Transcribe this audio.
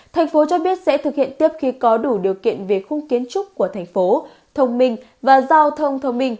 thành phố cho biết sẽ thực hiện tiếp khi có đủ điều kiện về khung kiến trúc của thành phố thông minh và giao thông thông minh